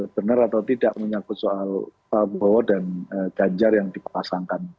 benar atau tidak menyangkut soal pak bowo dan ganjar yang dipasangkan